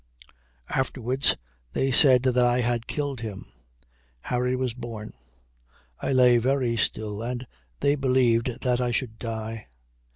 Afterwards they said that I had killed him. Harry was born. I lay very ill and they believed that I should die.